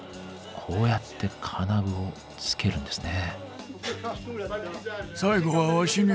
こうやって金具を付けるんですね。